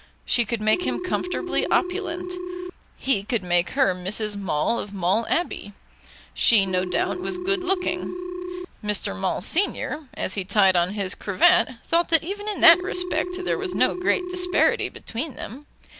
She could make him comfortably opulent. He could make her Mrs. Maule of Maule Abbey. She, no doubt, was good looking. Mr. Maule, Senior, as he tied on his cravat, thought that even in that respect there was no great disparity between them.